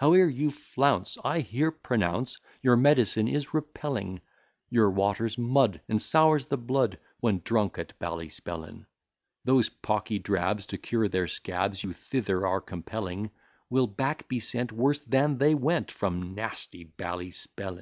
Howe'er you flounce, I here pronounce, Your medicine is repelling; Your water's mud, and sours the blood When drunk at Ballyspellin. Those pocky drabs, to cure their scabs, You thither are compelling, Will back be sent worse than they went, From nasty Ballyspellin.